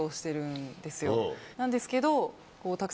なんですけど。